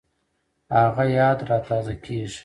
هغه یاد را تازه کېږي